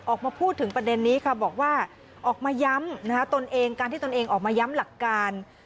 ออกมาพูดถึงประเด็นนี้ค่ะบอกว่าออกมาย้ำตนเองการที่ตนเองออกมาย้ำหลักการ